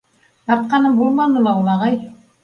— Тартҡаным булманы ла ул, ағай.